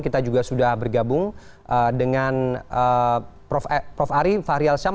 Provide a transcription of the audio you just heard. kita juga sudah bergabung dengan prof ari fahri alsham